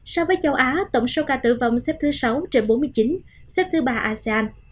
so với châu á tổng số ca tử vong xếp thứ sáu trên bốn mươi chín xếp thứ ba asean